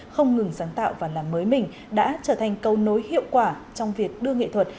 không ngừng sáng tạo và làm mới mình đã trở thành câu nối hiệu quả trong việc đưa nghệ thuật